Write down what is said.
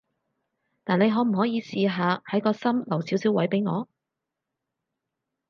但你可唔可以試下喺個心留少少位畀我？